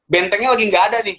bentengnya lagi nggak ada nih